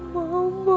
ada apa ya